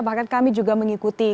bahkan kami juga mengikuti